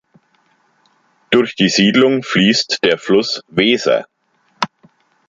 Durch die Siedlung fließt der Fluss Weser.